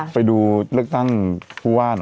ไปดูเลือกตั้งครูห้าหน่อย